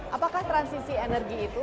apakah transisi energi itu